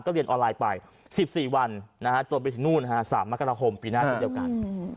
เรียนออนไลน์ไป๑๔วันจนไปถึงนู่น๓มกราคมปีหน้าเช่นเดียวกัน